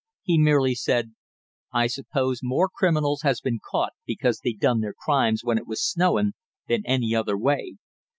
He merely said: "I suppose more criminals has been caught because they done their crimes when it was snowing than any other way.